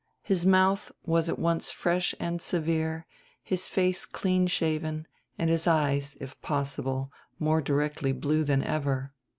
His mouth was at once fresh and severe, his face clean shaven, and his eyes if possible more directly blue than ever.